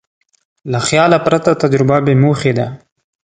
له خیال پرته تجربه بېموخې ده.